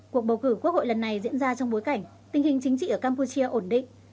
cuộc bầu cử quốc hội lần này diễn ra trong bối cảnh tình hình chính trị ở campuchia ổn định